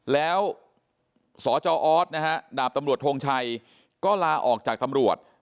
แล้วสจออสนะฮะดาบตำรวจทงชัยก็ลาออกจากตำรวจ